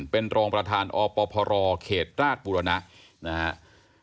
เป็นรองประธานอพรเขตราชบุรณะนะครับ